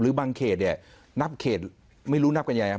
หรือบางเขตนับเขตไม่รู้นับกันยังไง